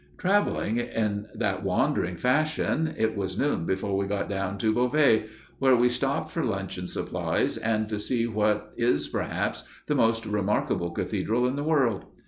Traveling in that wandering fashion, it was noon before we got down to Beauvais, where we stopped for luncheon supplies and to see what is perhaps the most remarkable cathedral in the world.